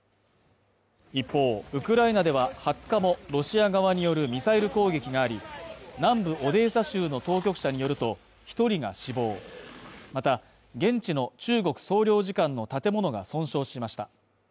一方、ウクライナでは２０日もロシア側によるミサイル攻撃があり、南部オデーサ州の当局者によると、１人が死亡、また、現地の中国総領事館の建物が損傷しました。